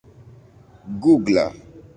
gugla